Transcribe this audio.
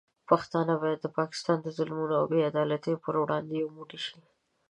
پښتانه باید د پاکستان د ظلمونو او بې عدالتیو پر وړاندې یو موټی شي.